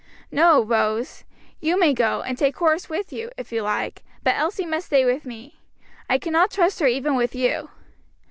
"No, Rose; you may go, and take Horace with you, if you like; but Elsie must stay with me. I cannot trust her even with you!"